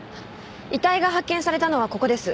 遺体が発見されたのはここです。